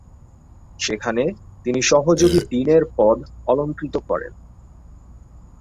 সেখানে তিনি সহযোগী ডিনের পদ অলঙ্কৃত করেন।